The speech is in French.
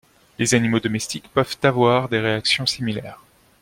Les animaux domestiques peuvent avoir des réactions similaires.